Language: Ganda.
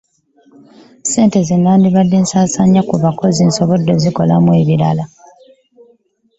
Ssente zenandibadde nsaasaanya kubakozi nsobodde okuzikolamu ebirala.